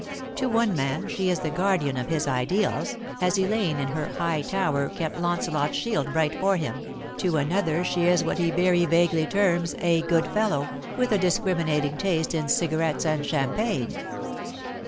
To one man she is the guardian of his ideals, as Elaine in her high tower kept Launcelot's shield bright for him, to another she is what he very vaguely terms "a good fellow," with a discriminating taste in cigarettes and champagne.